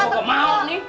bapak mau nih